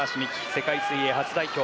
世界水泳初代表。